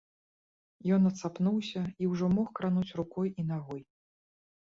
Ён адсапнуўся і ўжо мог крануць рукой і нагой.